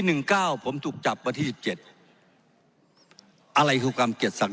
หนึ่งเก้าผมถูกจับวันที่สิบเจ็ดอะไรคือการเกียรชัง